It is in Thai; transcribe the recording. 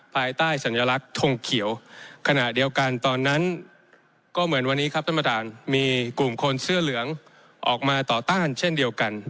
ภายใต้สัญลักษณ์ทงเขียวขณะเดียวกันตอนนั้นก็เหมือนวันนี้ครับท่านประธานมีกลุ่มคนเสื้อเหลืองออกมาต่อต้านเช่นเดียวกัน